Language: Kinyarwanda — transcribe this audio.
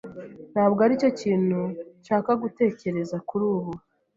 Ntabwo aricyo kintu nshaka gutekereza kuri ubu.